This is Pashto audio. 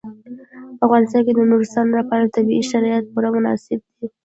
په افغانستان کې د نورستان لپاره طبیعي شرایط پوره مناسب دي.